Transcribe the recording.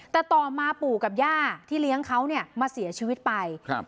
แต่ต่อมาปู่กับย่าที่เลี้ยงเขาเนี่ยมาเสียชีวิตไปครับ